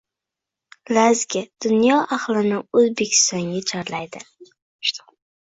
“Lazgi” – dunyo ahlini Oʻzbekistonga chorlaydi